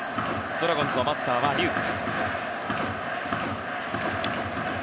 ドラゴンズのバッターは龍空。